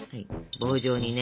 棒状にね。